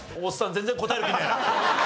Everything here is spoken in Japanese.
全然答える気ねえな。